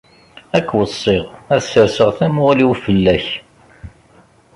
Ad k-weṣṣiɣ, ad serseɣ tamuɣli-w fell-ak.